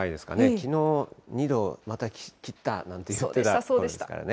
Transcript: きのう２度また切ったなんて言ってましたからね。